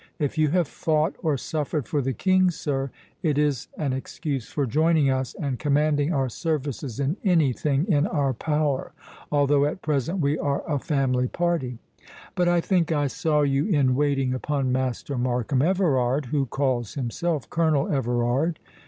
"If you have fought or suffered for the King, sir, it is an excuse for joining us, and commanding our services in any thing in our power—although at present we are a family party.—But I think I saw you in waiting upon Master Markham Everard, who calls himself Colonel Everard.